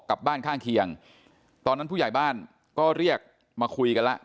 กลับบ้านข้างเคียงตอนนั้นผู้ใหญ่บ้านก็เรียกมาคุยกันแล้ว